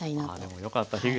ああでもよかった。